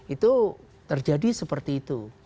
itu terjadi seperti itu